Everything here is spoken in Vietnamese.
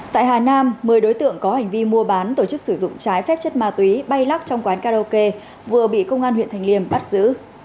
tại hà nam một mươi đối tượng có hành vi mua bán tổ chức sử dụng trái phép chất ma túy bay lắc trong quán karaoke vừa bị công an huyện thành liêm bắt giữ